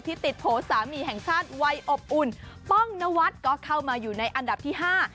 ติดโผล่สามีแห่งชาติวัยอบอุ่นป้องนวัดก็เข้ามาอยู่ในอันดับที่ห้า